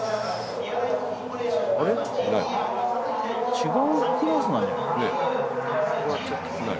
違うクラスなんじゃない？